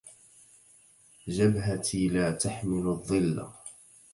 جبهتي لا تحمل الظل،